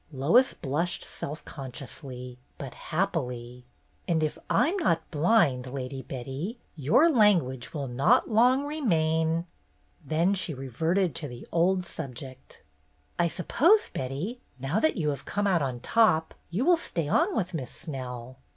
Lois blushed self consciously but happily. "And if I 'm not blind. Lady Betty, your lan guage will not long remain —" Then she re verted to the old subject. "I suppose, Betty, now that you have come out on top, you will stay on with Miss Snell."